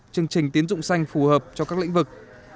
chương trình tiến dụng xanh phù hợp cho các lĩnh vực